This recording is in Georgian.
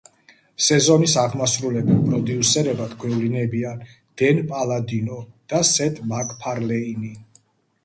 სეზონის აღმასრულებელ პროდიუსერებად გვევლინებიან დენ პალადინო და სეთ მაკფარლეინი.